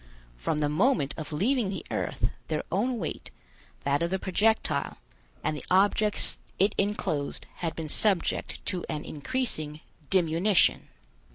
From the moment of leaving the earth, their own weight, that of the projectile, and the objects it enclosed, had been subject to an increasing diminution.